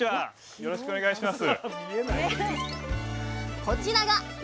よろしくお願いします！